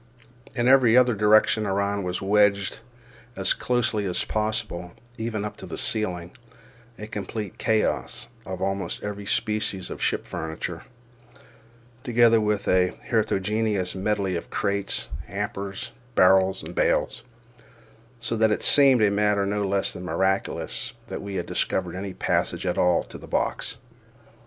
In every other direction around was wedged as closely as possible, even up to the ceiling, a complete chaos of almost every species of ship furniture, together with a heterogeneous medley of crates, hampers, barrels, and bales, so that it seemed a matter no less than miraculous that we had discovered any passage at all to the box.